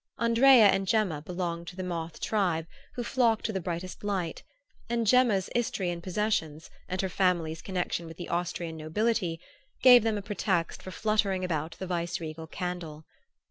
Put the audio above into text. Andrea and Gemma belonged to the moth tribe, who flock to the brightest light; and Gemma's Istrian possessions, and her family's connection with the Austrian nobility, gave them a pretext for fluttering about the vice regal candle.